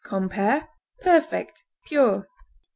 Compare PERFECT; PURE.